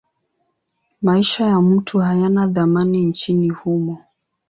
Maisha ya mtu hayana thamani nchini humo.